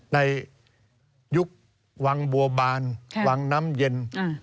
ในยุควังบัวบานวังน้ำเย็น